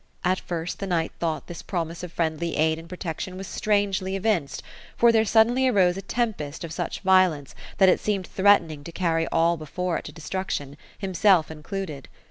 At first the knight thought this promise of friendly aid and protection was strangely evinced, for there suddenly arose a tempest of such violence that it seemed threatening to carry all before it to de struction, himself included.